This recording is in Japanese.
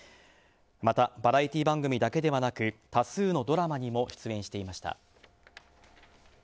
またバラエティー番組だけではなく多数のドラマにも出演していました。